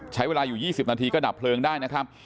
ใช้เวลาอยู่๒๐นาทีก็ดับเพลิงได้นะครับ